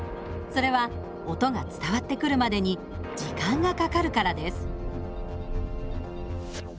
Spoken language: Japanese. それは音が伝わってくるまでに時間がかかるからです。